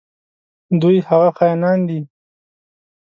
دوی هغه خاینان دي.